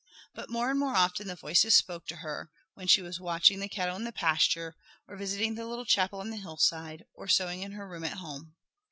But more and more often the voices spoke to her, when she was watching the cattle in the pasture, or visiting the little chapel on the hillside, or sewing in her room at home.